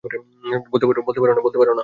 বলতে পার না?